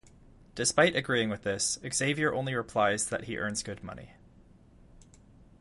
Despite agreeing with this, Xavier only replies that he earns good money.